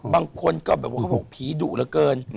บางคนก็แบบว่าเขาบอกผีดุเหลือเกิน